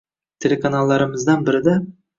Telekanallarimizdan birida